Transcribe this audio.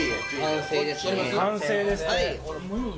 完成ですね。